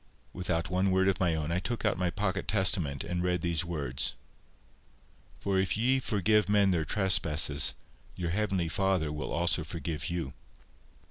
Without one word of my own, I took out my pocket Testament and read these words:— "For if ye forgive men their trespasses, your heavenly Father will also forgive you."